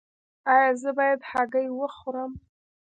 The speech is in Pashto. ایا زه باید هګۍ وخورم؟